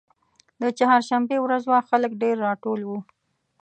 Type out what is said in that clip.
د چهارشنبې ورځ وه خلک ډېر راټول وو.